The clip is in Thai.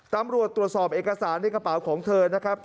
ตำรวจตรวจสอบเอกสารในกระเป๋าของเธอนะครับ